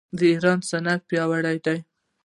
د ایران صنعت پیاوړی دی.